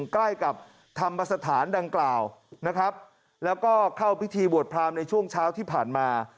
ใกล้กับธรรมสถานดังกล่าวนะครับแล้วก็เข้าพิธีบวชพรามในช่วงเช้าที่ผ่านมา